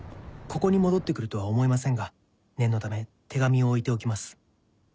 ここに戻って来るとは思えませんが念のため手紙を置いておきます。